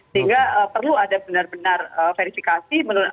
sehingga perlu ada benar benar verifikasi